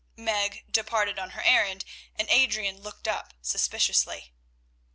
Meg departed on her errand, and Adrian looked up suspiciously.